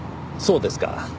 そうですか。